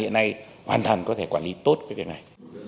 hiện nay hoàn toàn có thể quản lý tốt cái việc này